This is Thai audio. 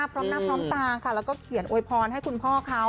พร้อมหน้าพร้อมตาค่ะแล้วก็เขียนโวยพรให้คุณพ่อเขา